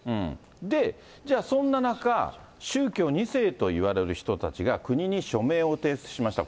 で、じゃあそんな中、宗教２世といわれる人たちが国に署名を提出しました。